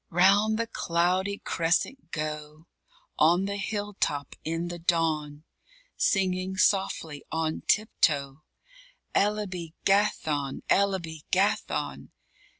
_" _Round the cloudy crescent go, On the hill top, in the dawn, Singing softly, on tip toe, "Elaby Gathon! Elaby Gathon!